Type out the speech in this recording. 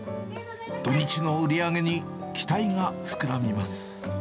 土日の売り上げに期待が膨らみます。